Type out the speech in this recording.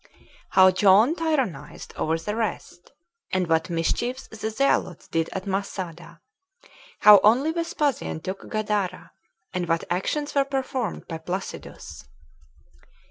How John Tyrannized Over The Rest; And What Mischiefs The Zealots Did At Masada. How Also Vespasian Took Gadara; And What Actions Were Performed By Placidus.